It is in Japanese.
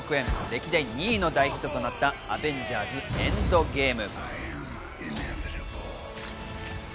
歴代２位の大ヒットとなった『アベンジャーズ／エンドゲーム』。